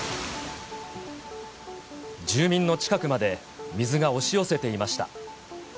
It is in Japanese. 住民の近くまで水が押し寄せていました。